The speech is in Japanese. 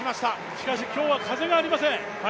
しかし、今日は風がありません